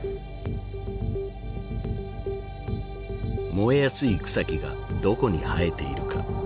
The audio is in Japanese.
燃えやすい草木がどこに生えているか。